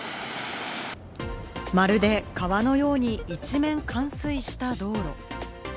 まるで川のように一面冠水した道路。